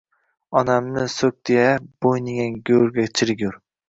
Onamni so‘kdi-ya, bo‘yginang go‘rda chirigur!